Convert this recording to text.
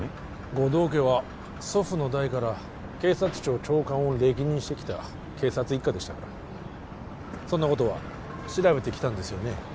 護道家は祖父の代から警察庁長官を歴任してきた警察一家でしたからそんなことは調べてきたんですよね？